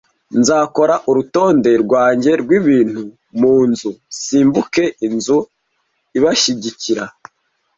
(Nzakora urutonde rwanjye rwibintu munzu nsimbuke inzu ibashyigikira?)